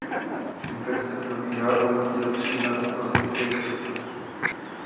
Infekce probíhá u lidí za příznaků klasické chřipky.